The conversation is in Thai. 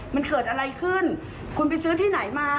มันเกิดอะไรขึ้นคุณไปซื้อที่ไหนมา